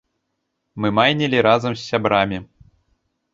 Мы майнілі разам з сябрам.